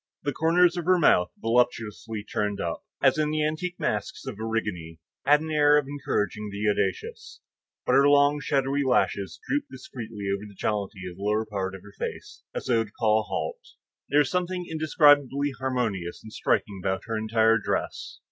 The corners of her mouth voluptuously turned up, as in the antique masks of Erigone, had an air of encouraging the audacious; but her long, shadowy lashes drooped discreetly over the jollity of the lower part of the face as though to call a halt. There was something indescribably harmonious and striking about her entire dress.